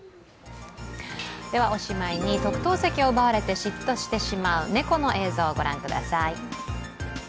おしまいに、特等席を奪われて嫉妬してしまう猫の映像をご覧ください。